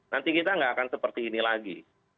nanti kita nggak akan seperti ini lagi